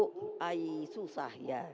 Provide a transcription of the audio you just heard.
bu ay susah ya